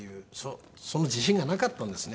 その自信がなかったんですね。